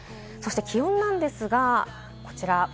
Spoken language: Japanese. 気温なんですが、こちら。